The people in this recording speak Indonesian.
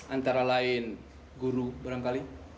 antara lain guru berapa kali